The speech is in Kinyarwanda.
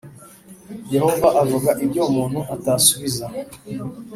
Yehova avuga ibyo umuntu atasubiza